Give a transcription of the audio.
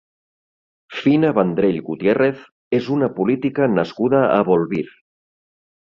Fina Vendrell Gutiérrez és una política nascuda a Bolvir.